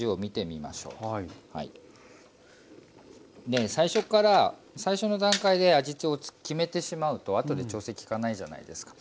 で最初から最初の段階で味を決めてしまうと後で調整きかないじゃないですか。